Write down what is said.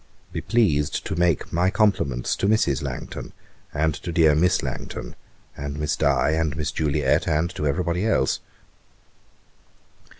'Be pleased to make my compliments to Mrs. Langton, and to dear Miss Langton, and Miss Di, and Miss Juliet, and to every body else.